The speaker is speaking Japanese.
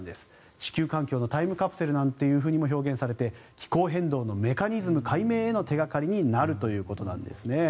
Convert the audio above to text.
地球環境のタイムカプセルなどとも表現されて気候変動のメカニズム解明への手掛かりになるということです。